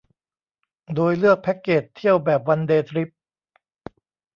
โดยเลือกแพ็กเกจเที่ยวแบบวันเดย์ทริป